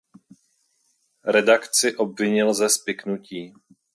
Redakci obvinil ze spiknutí.